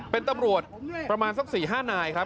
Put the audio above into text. เป็นตำรวจประมาณสัก๔๕นายครับ